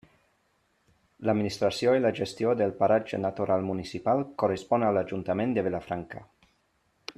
L'administració i la gestió del paratge natural municipal correspon a l'Ajuntament de Vilafranca.